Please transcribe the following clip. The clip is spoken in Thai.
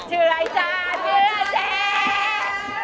ชื่ออะไรจ้ะพี่ร้ายใจ